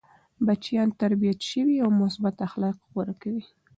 بچيان تربیت سوي او مثبت اخلاق غوره کوي.